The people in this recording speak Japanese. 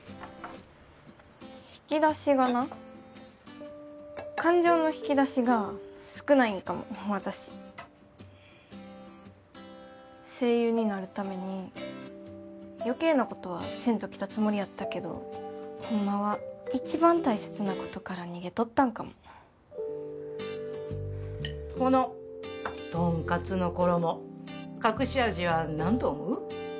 引き出しがな感情の引き出しが少ないんかも私声優になるために余計なことはせんと来たつもりやったけどホンマは一番大切なことから逃げとったんかもこのとんかつの衣隠し味は何と思う？